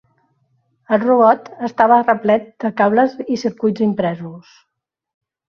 El robot estava replet de cables i circuits impresos.